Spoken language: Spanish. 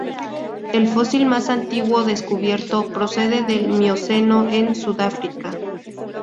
El fósil más antiguo descubierto procede del Mioceno en Sudáfrica.